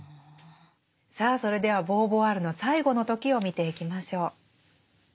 さあそれではボーヴォワールの最後の時を見ていきましょう。